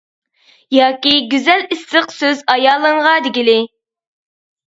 ياكى گۈزەل ئىسسىق سۆز ئايالىڭغا دېگىلى.